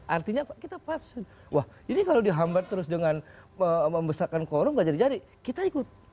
artinya kita pasun wah ini kalau dihambat terus dengan membesarkan korum gak jadi jadi kita ikut